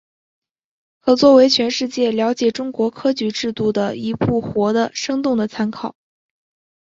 可作为全世界了解中国科举制度的一部活的生动的参考。